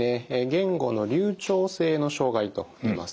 「言語の流暢性の障害」といいます。